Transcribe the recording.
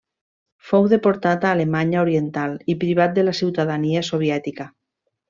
Fou deportat a l'Alemanya oriental i privat de la ciutadania soviètica.